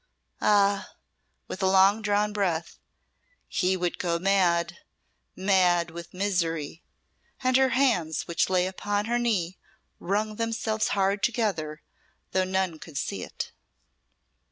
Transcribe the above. Ah!" with a long drawn breath "he would go mad mad with misery;" and her hands, which lay upon her knee, wrung themselves hard together, though none could see it.